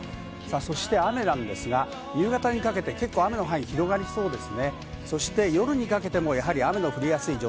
そして雨なんですが、夕方にかけて結構雨の範囲広がりそうです。